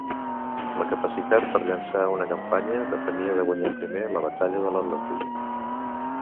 La capacitat per llançar una campanya depenia de guanyar primer la Batalla de l'Atlàntic.